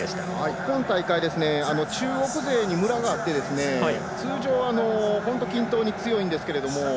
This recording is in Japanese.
今大会中国勢にムラがあって通常、本当に均等に強いんですけど